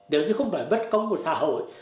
nếu như không phải bất công của xã hội